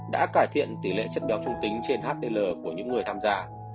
đã cải thiện tỷ lệ chất béo trung tính trên hdl của những người tham gia